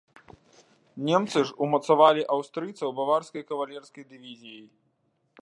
Немцы ж умацавалі аўстрыйцаў баварскай кавалерыйская дывізіяй.